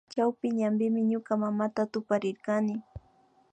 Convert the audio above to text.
Chawpi ñanpimi ñuka mamata tuparirkani